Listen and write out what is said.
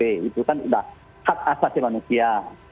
itu kan sudah hak asasi manusia